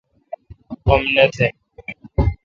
غم نہ تہ۔